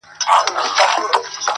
• قاضي و ویل سړي ته نه شرمېږي,